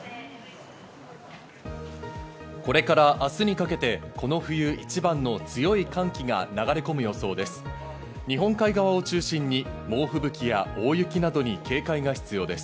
これから明日にかけて、この冬一番の強い寒気が流れ込む予想です。